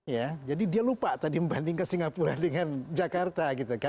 ya jadi dia lupa tadi membandingkan singapura dengan jakarta